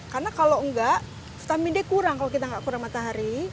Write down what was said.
karena kalau enggak stamina kurang kalau kita enggak kurang matahari